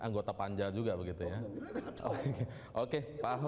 anggota panja juga begitu ya oke